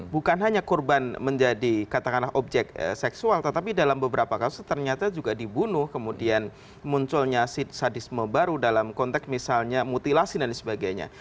bukan hanya korban menjadi katakanlah objek seksual tetapi dalam beberapa kasus ternyata juga dibunuh kemudian munculnya sadisme baru dalam konteks misalnya mutilasi dan sebagainya